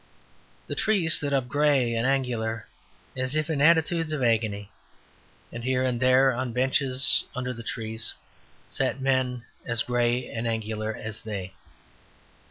The trees stood up grey and angular, as if in attitudes of agony; and here and there on benches under the trees sat men as grey and angular as they.